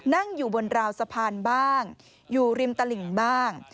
นั่งอยู่บนราวสะพานบ้างอยู่ริมตลิ่งบ้าง